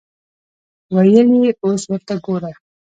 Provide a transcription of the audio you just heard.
ویل یې اوس ورته ګوره.